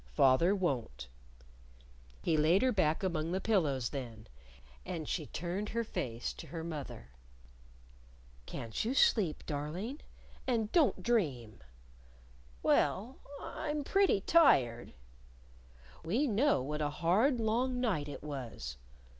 "Father won't." He laid her back among the pillows then. And she turned her face to her mother. "Can't you sleep, darling? And don't dream!" "Well, I'm pretty tired." "We know what a hard long night it was."